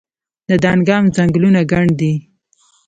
د دانګام ځنګلونه ګڼ دي